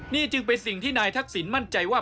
นี่จึงเป็นสิ่งที่นายทักษิณมั่นใจว่า